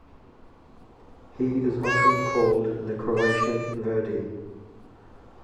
He is often called the Croatian Verdi.